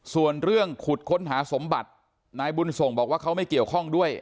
ส่วนเรื่องขุดค้นหาสมบัตินายบุญส่งบอกว่าเขาไม่เกี่ยวข้องด้วย